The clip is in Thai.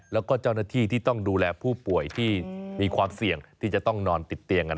แล้วก็เจ้าหน้าที่ที่ต้องดูแลผู้ป่วยที่มีความเสี่ยงที่จะต้องนอนติดเตียง